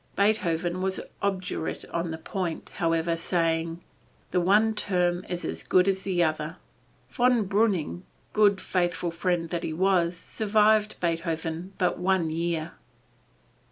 Beethoven was obdurate on the point, however, saying, "the one term is as good as the other." Von Breuning, good faithful friend that he was, survived Beethoven but one year.